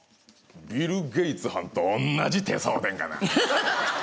ビル・ゲイツはんとおんなじ手相でんがな。